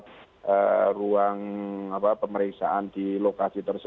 kita juga langsung ke mana mana terus